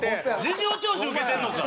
事情聴取受けてるのか？